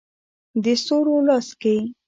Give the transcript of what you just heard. د ستورو لاس کې